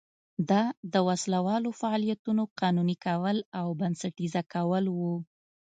دا د وسله والو فعالیتونو قانوني کول او بنسټیزه کول و.